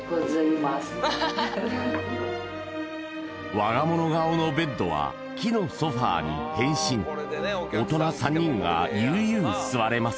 我が物顔のベッドは木のソファーに変身大人３人が悠々座れます